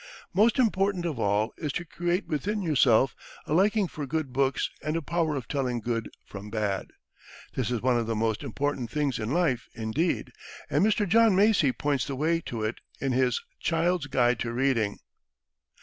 Most important of all is to create within yourself a liking for good books and a power of telling good from bad. This is one of the most important things in life, indeed; and Mr. John Macy points the way to it in his "Child's Guide to Reading."